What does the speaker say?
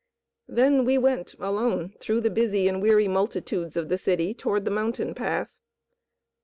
Then we went alone through the busy and weary multitudes of the city toward the mountain path.